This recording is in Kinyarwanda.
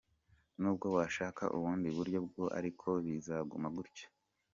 nubwo washaka ubundi buryo bwose ariko bizaguma gutyo.